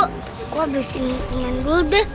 aku abis ini pengen gul deh